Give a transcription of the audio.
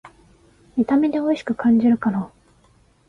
見た目でおいしく感じるから